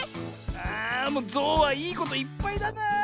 あもうゾウはいいこといっぱいだな。